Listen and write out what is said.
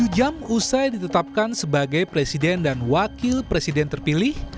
tujuh jam usai ditetapkan sebagai presiden dan wakil presiden terpilih